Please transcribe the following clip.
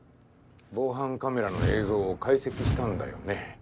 防犯カメラの映像を解析したんだよね。